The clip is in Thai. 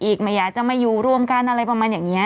อีกไม่อยากจะมาอยู่รวมกันอะไรประมาณอย่างนี้